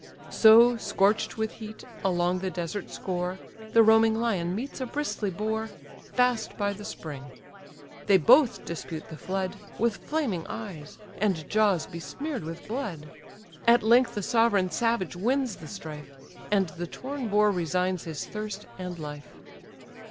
So, scorch'd with heat, along the desert score, The roaming lion meets a bristly boar, Fast by the spring; they both dispute the flood, With flaming eyes, and jaws besmear'd with blood; At length the sovereign savage wins the strife; And the torn boar resigns his thirst and life.